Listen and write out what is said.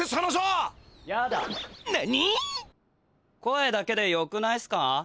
声だけでよくないっすか？